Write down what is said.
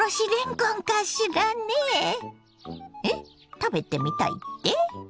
食べてみたいって？